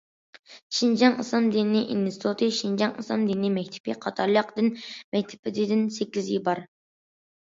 شىنجاڭ ئىسلام دىنى ئىنستىتۇتى، شىنجاڭ ئىسلام دىنى مەكتىپى قاتارلىق دىن مەكتىپىدىن سەككىزى بار.